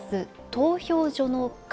投票所の壁。